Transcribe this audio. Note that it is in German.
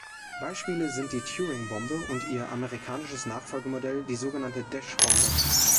Beispiele sind die "Turing-Bombe" und ihr amerikanisches Nachfolgemodell, die sogenannte „"Desch-Bombe"“.